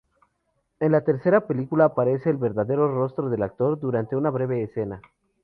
En la tercera película aparece el verdadero rostro del actor durante una breve escena.